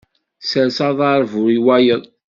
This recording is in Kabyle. Sers aḍar, bru i wayeḍ.